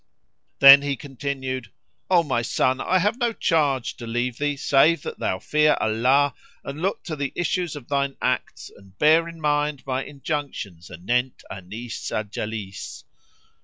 Then he continued, "O my son, I have no charge to leave thee save that thou fear Allah and look to the issues of thine acts and bear in mind my injunctions anent Anis al Jalis."